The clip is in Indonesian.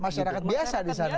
masyarakat biasa di sana